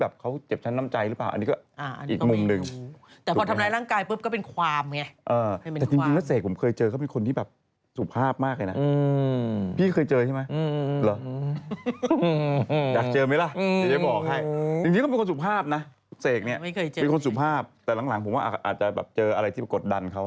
บางคนสุภาพแต่หลังผมว่าอาจจะเจออะไรที่มากดันเค้า